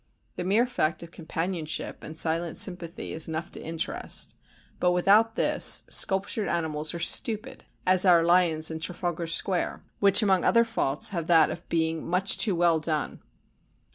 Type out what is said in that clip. The mere fact of companionship and silent sympathy is enough to interest, but without this, sculptured animals are stupid, as our lions in Trafalgar Square—which, among other faults, have that of being much too well done.